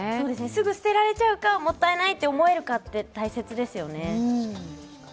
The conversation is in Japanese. すぐ捨てられちゃうか、もったいないと思えるかって大切ですよね。